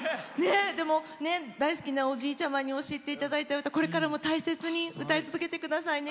でも、大好きなおじいちゃまに教えていただいた歌これからも大切に歌い続けてくださいね。